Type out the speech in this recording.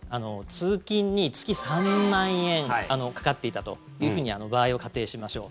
通勤に月３万円かかっていたというふうに場合を仮定しましょう。